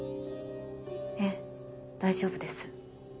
ええ大丈夫です。